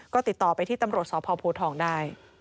ก็ติดต่อไปที่ตำรวจสพโพทองได้